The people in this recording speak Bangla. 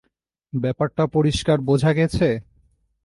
ব্যাপারটা পরিষ্কার বোঝা গেছে?